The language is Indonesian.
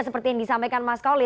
seperti yang disampaikan mas koli